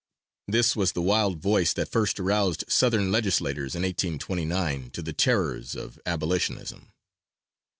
This was the wild voice that first aroused Southern legislators in 1829 to the terrors of abolitionism.